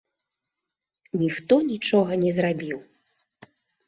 Ніхто нічога не зрабіў.